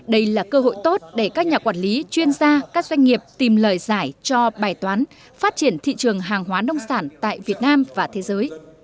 đây là cơ hội tốt để các nhà quản lý chuyên gia các doanh nghiệp tìm lời giải cho bài toán phát triển thị trường hàng hóa nông sản tại việt nam và thế giới